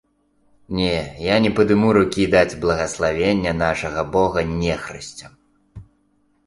Не, я не падыму рукі даць благаславення нашага бога нехрысцям!